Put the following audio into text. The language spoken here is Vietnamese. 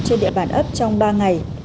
trên địa bàn ấp trong ba ngày